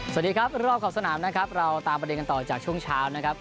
สวัสดีครับรอบของสนามเราตามประเด็นกันต่อจากช่วงเช้า